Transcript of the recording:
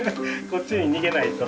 こっちに逃げないと。